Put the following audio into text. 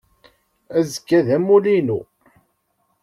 Azekka d amulli-inu.